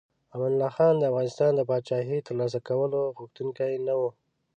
امان الله خان د افغانستان د پاچاهۍ د ترلاسه کولو غوښتونکی نه و.